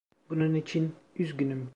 Bunun için üzgünüm.